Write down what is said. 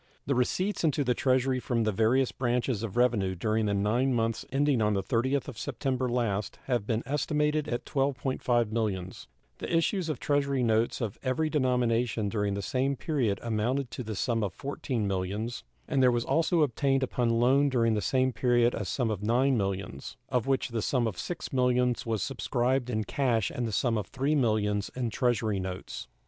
The receipts into the Treasury from the various branches of revenue during the nine months ending on the 30th of September last have been estimated at $12.5 millions; the issues of Treasury notes of every denomination during the same period amounted to the sum of $14 millions, and there was also obtained upon loan during the same period a sum of $9 millions, of which the sum of $6 millions was subscribed in cash and the sum of $3 millions in Treasury notes.